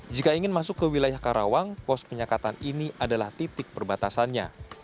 jika ingin masuk ke wilayah karawang pos penyekatan ini adalah titik perbatasannya